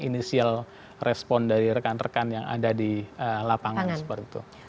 inisial respon dari rekan rekan yang ada di lapangan